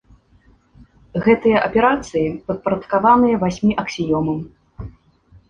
Гэтыя аперацыі падпарадкаваныя васьмі аксіёмам.